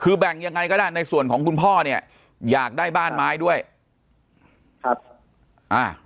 คือแบ่งยังไงก็ได้ในส่วนของคุณพ่อเนี่ยอยากได้บ้านไม้ด้วยครับอ่า